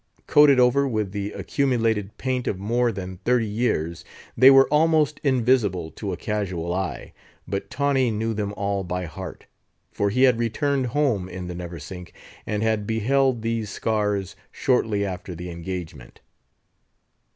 Coated over with the accumulated paint of more than thirty years, they were almost invisible to a casual eye; but Tawney knew them all by heart; for he had returned home in the Neversink, and had beheld these scars shortly after the engagement.